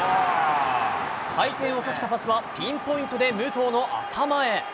回転をかけたパスはピンポイントで武藤の頭へ。